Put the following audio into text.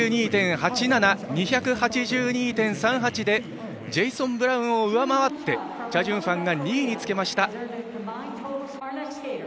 １８２．８７．２８２．３８でジェイソン・ブラウンを上回ってチャ・ジュンファンが２位につけました。